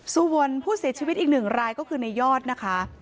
ส่วนผู้เสียชีวิตอีกหนึ่งรายก็คือในยอดนะคะ